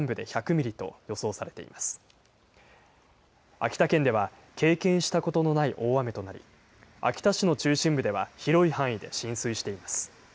秋田県では経験したことのない大雨となり秋田市の中心部では広い範囲で浸水しています。